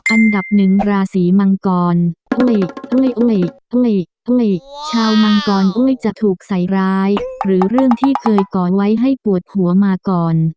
อันดับ๑ราศีมังกรชาวมังกรจะถูกใส่ร้ายหรือเรื่องที่เคยก่อไว้ให้ปวดหัวมาก่อน